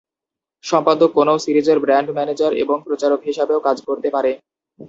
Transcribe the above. সম্পাদক কোনও সিরিজের ব্র্যান্ড ম্যানেজার এবং প্রচারক হিসাবেও কাজ করতে পারে।